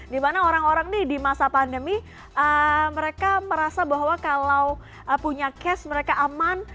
dimana orang orang nih di masa pandemi mereka merasa bahwa kalau punya cash mereka aman